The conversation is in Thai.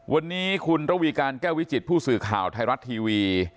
วันนี้คุณระวีการแก้ววิจิตผู้สื่อข่าวไทยรัฐทีวี